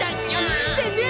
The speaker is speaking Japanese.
見てねえ！